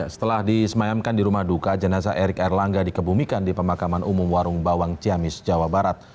setelah disemayamkan di rumah duka jenazah erik erlangga dikebumikan di pemakaman umum warung bawang ciamis jawa barat